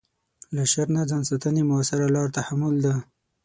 له شر نه ځان ساتنې مؤثره لاره تحمل ده.